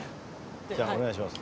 じゃあお願いします。